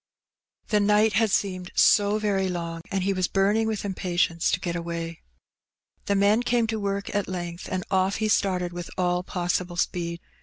The night had 124 Heb Benny. seemed so very long^ and he was burning with impatience to get away. The men came to work at length, and off he started with all possible speed.